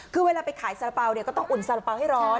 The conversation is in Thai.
คือเวลาไปขายสาระเป๋าเนี่ยก็ต้องอุ่นสาระเป๋าให้ร้อน